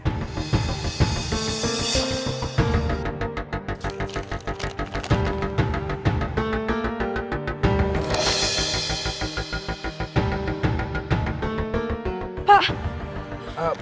sampai jumpa di video selanjutnya